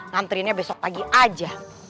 nganterinnya besok pagi aja